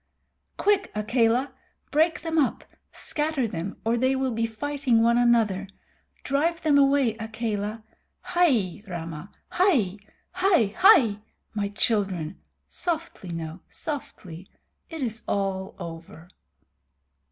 "Quick, Akela! Break them up. Scatter them, or they will be fighting one another. Drive them away, Akela. Hai, Rama! Hai, hai, hai! my children. Softly now, softly! It is all over."